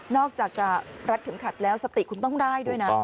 อกจากจะรัดเข็มขัดแล้วสติคุณต้องได้ด้วยนะ